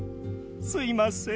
すいません。